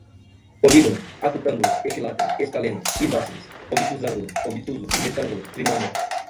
polígono, acutângulo, equilátero, escaleno, isósceles, obtusângulo, obtuso, retângulo, trinômio